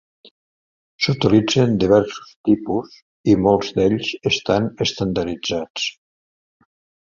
S'utilitzen diversos tipus i molts d'ells estan estandarditzats.